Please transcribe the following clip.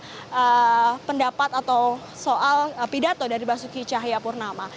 bagaimana kemudian pendapat dari mahyuni ini soal pidato dari basuki c purnama